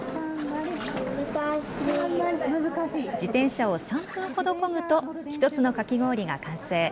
自転車を３分ほどこぐと１つのかき氷が完成。